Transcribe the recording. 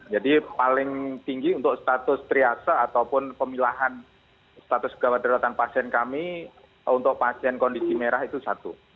jadi paling tinggi untuk status triasa ataupun pemilahan status kewadah kewadah pasien kami untuk pasien kondisi merah itu satu